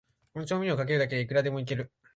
この調味料をかけるだけで、いくらでもイケる